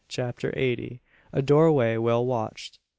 CHAPTER EIGHTY. A DOORWAY WELL WATCHED.